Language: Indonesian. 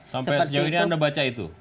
sampai sejauh ini anda baca itu